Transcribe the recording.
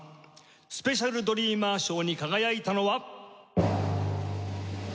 スペシャル・ドリーマー賞に輝いたのは。